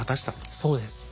そうです。